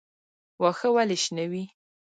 واښه ولې شنه وي؟